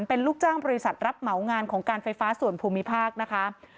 เป็นลูกจ้างบริษัทรับเหมางานของการไฟฟ้าส่วนภูมิภาคนะคะ